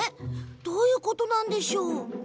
どういうことなんでしょう？